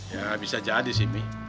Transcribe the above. ya bisa jadi sih mi